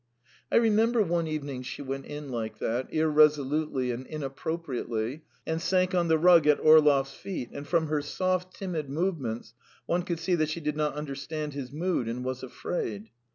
I remember one evening she went in like that, irresolutely and inappropriately, and sank on the rug at Orlov's feet, and from her soft, timid movements one could see that she did not understand his mood and was afraid.